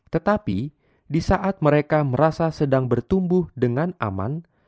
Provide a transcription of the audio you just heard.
tetapi di saat mereka merasa sedang bertumbuh dengan aman